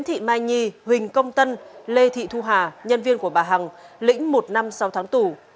hình công tân lê thị thu hà nhân viên của bà hằng lĩnh một năm sau tháng tù